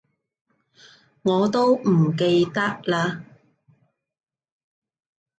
我都唔記得喇